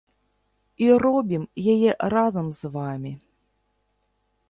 І робім яе разам з вамі!